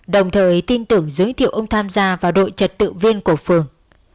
đồng thời tin tưởng giới thiệu ông tham gia vào đội trật tự viên của phường